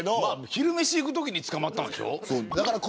昼飯行くときに捕まったんでしょ。